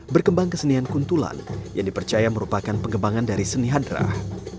berkembang kesenian kuntulan yang dipercaya merupakan pengembangan dari seni hadrah